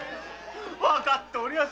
わかっておりやす。